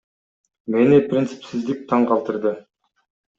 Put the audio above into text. Мени принципсиздик таң калтырды.